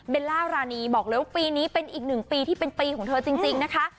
ล่ารานีบอกเลยว่าปีนี้เป็นอีกหนึ่งปีที่เป็นปีของเธอจริงนะคะ